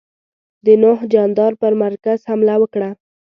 د نوح جاندار پر مرکز حمله وکړه.